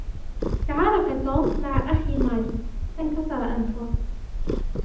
تعارك توم مع أخي ماري فانكسر أنفه.